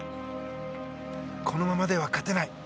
このままでは勝てない。